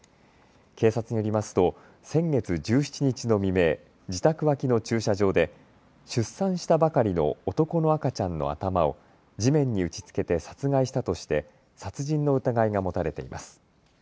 警察によりますと先月１７日の未明、自宅脇の駐車場で出産したばかりの男の赤ちゃんの頭を地面に打ちつけて殺害したとして殺人の疑いが持たれています。